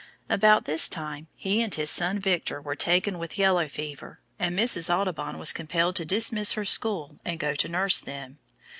About this time he and his son Victor were taken with yellow fever, and Mrs. Audubon was compelled to dismiss her school and go to nurse them.